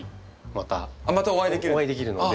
またお会いできるの。